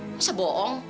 nggak usah bohong